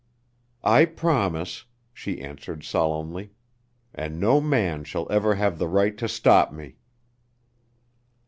"I promise," she answered solemnly, "and no man shall ever have the right to stop me."